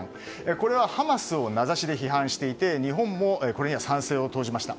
これはハマスを名指しで批判していて日本もこれには賛成を投じました。